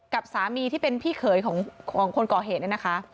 กับสามีที่เป็นพี่เขยของคนก่อเหตุเนี่ยนะคะ